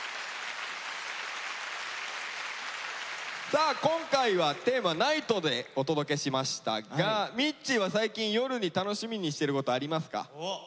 さあ今回はテーマ「ＮＩＧＨＴ」でお届けしましたがみっちーは最近夜に楽しみにしてることありますか？